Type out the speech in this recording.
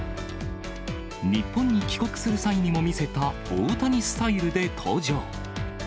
日本に帰国する際にも見せた大谷スタイルで登場。